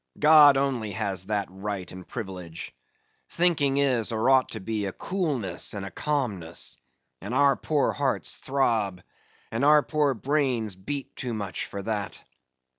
God only has that right and privilege. Thinking is, or ought to be, a coolness and a calmness; and our poor hearts throb, and our poor brains beat too much for that.